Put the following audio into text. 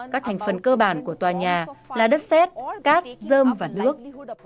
các thành phần cơ bản của tòa nhà là đất xét cát dơm và nước